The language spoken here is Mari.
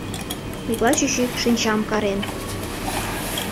Миклай чӱчӱ шинчам карен.